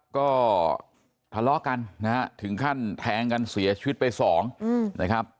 ก็ทะเลาะกันนะฮะถึงขั้นแทงกันเสียชีวิตไปสองนะครับ